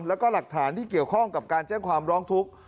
แล้วก็หลักฐานที่เกี่ยวข้องกับการแจ้งความร้องทุกข์